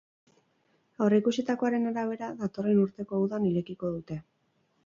Aurreikusitakoaren arabera, datorren urteko udan irekiko dute.